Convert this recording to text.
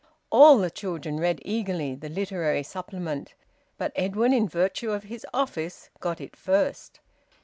All the children read eagerly the Literary Supplement; but Edwin, in virtue of his office, got it first.